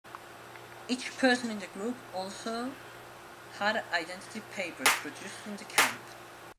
Each person in the group also had identity papers, produced in the camp.